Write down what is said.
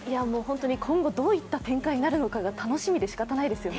今後どういった展開になるのか楽しみでしかたないですよね。